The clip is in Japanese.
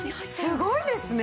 すごいですね！